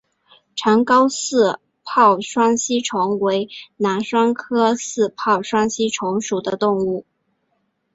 长睾似泡双吸虫为囊双科似泡双吸虫属的动物。